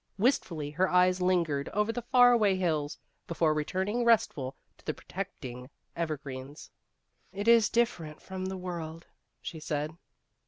Wistfully her eyes lingered over the far away hills, before returning restful to the protecting evergreens. " It is dif ferent from the world," she said.